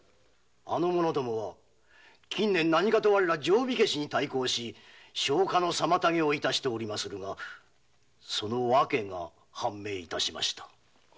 あの者どもは近年何かと我ら「定火消し」に対抗し消火の妨げを致しておりますがその理由が判明致しました。